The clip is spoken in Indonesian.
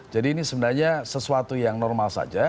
jadi ini sebenarnya sesuatu yang normal saja